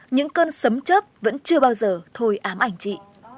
những cơn sấm chấp vẫn chưa bao giờ thôi ám ảnh chị